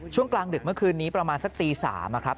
ช่วงกลางดึกเมื่อคืนนี้ประมาณสักตี๓นะครับ